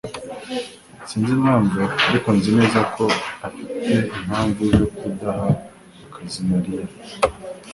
Sinzi impamvu, ariko nzi neza ko afite impamvu zo kudaha akazi Mariya.